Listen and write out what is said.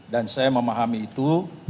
dan saya memahami itu